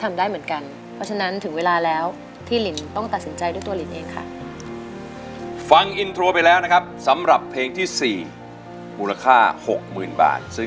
แม่ก็อยากให้ลูกหยุด